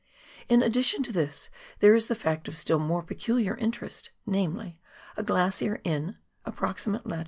In addition to this there is the fact of still more peculiar interest, namely, a glacier in (approximate) lat.